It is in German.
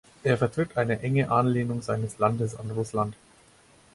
Er vertritt eine enge Anlehnung seines Landes an Russland.